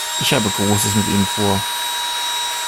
Ich habe Großes mit Ihnen vor.